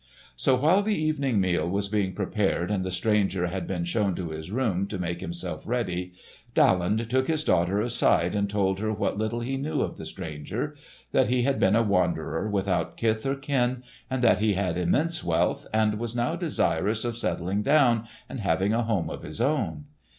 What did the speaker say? So, while the evening meal was being prepared and the stranger had been shown to his room to make himself ready, Daland took his daughter aside and told her what little he knew of the stranger; that he had been a wanderer without kith or kin; and that he had immense wealth and was now desirous of settling down and having a home of his own.